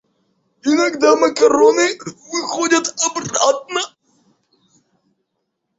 Иногда макароны выходят обратно.